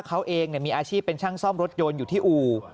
เขาเองมีอาชีพเป็นช่างซ่อมรถยนต์อยู่ที่อู่